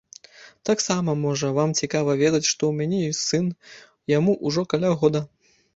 Таксама, можа, вам цікава ведаць, што ў мяне ёсць сын, яму ўжо каля года.